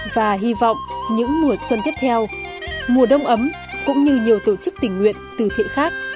và hy vọng những mùa xuân tiếp theo mùa đông ấm cũng như nhiều tổ chức tình nguyện từ thiện khác